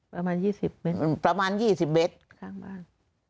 ประมาณยี่สิบเบตประมาณยี่สิบเบตข้างบ้าน